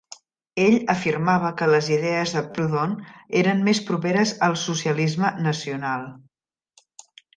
Ell afirmava que les idees de Proudhon eren més properes al socialisme nacional.